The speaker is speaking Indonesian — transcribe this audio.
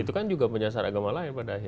itu kan juga menyasar agama lain pada akhirnya